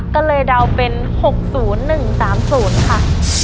ก็เลยเดาเป็น๖๐๑๓๐ค่ะ